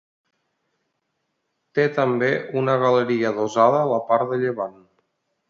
Té també una galeria adossada a la part de llevant.